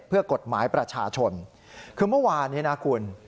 เพื่อกฎหมายประชาชนคือเมื่อวานนี้นะคุณ